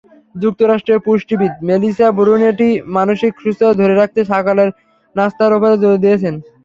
যুক্তরাষ্ট্রের পুষ্টিবিদ Melissa Brunetti মানসিক সুস্থতা ধরে রাখতে সকালের নাশতার ওপরেও জোর দিয়েছেন।